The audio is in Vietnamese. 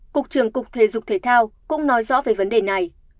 cục trưởng cục thể dục thể thao cũng nói rõ về vấn đề này